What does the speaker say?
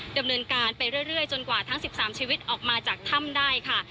ดำเนินการไปเรื่อยจนกว่าทั้ง๑๓ชีวิตออกมาจากถ้ำได้ค่ะ